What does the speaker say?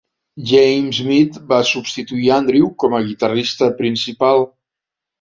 James Mead va substituir Andrew com a guitarrista principal.